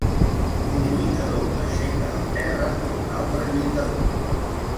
Un lluitador aixeca del terra a un altre lluitador.